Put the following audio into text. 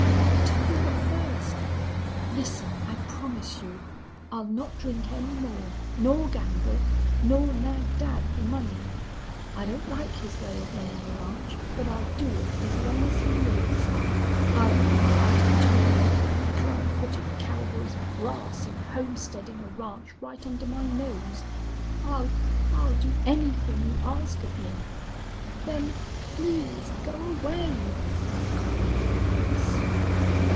October first! Listen. I promise you I'll not drink any more nor gamble nor nag dad for money. I don't like his way of running the ranch, but I'll do it, as long as he lives. I'll even try to tolerate that club footed cowboy's brass in homesteading a ranch right under my nose. I'll I'll do anything you ask of me." "Then please go away!" cried Columbine, with a sob.